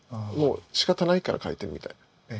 もうしかたないから描いてるみたいな。